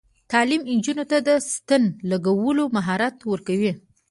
تعلیم نجونو ته د ستن لګولو مهارت ورکوي.